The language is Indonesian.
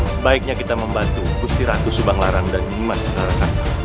sebaiknya kita membantu pustiratu subang larang dan mas rara sampah